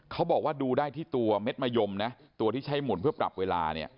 เขาบอกว่าดูได้ที่ตัวเม็ดมะยมนะตัวที่ใช้หมุนเพื่อปรับเวลาเนี่ย